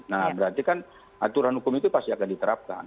nah berarti kan aturan hukum itu pasti akan diterapkan